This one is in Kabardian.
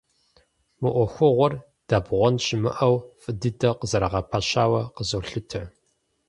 Мы ӏуэхугъуэр, дэбгъуэн щымыӏэу, фӏы дыдэу къызэрагъэпэщауэ къызолъытэ.